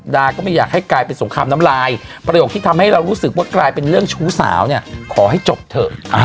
ดาก็ไม่อยากให้กลายเป็นสงครามน้ำลายประโยคที่ทำให้เรารู้สึกว่ากลายเป็นเรื่องชู้สาวเนี่ยขอให้จบเถอะ